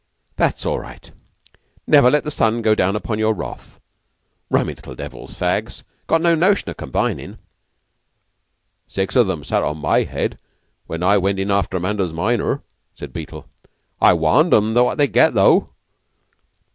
"That's all right. Never let the sun go down upon your wrath. Rummy little devils, fags. Got no notion o' combinin'." "Six of 'em sat on my head when I went in after Manders minor," said Beetle. "I warned 'em what they'd get, though."